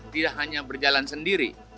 tidak hanya berjalan sendiri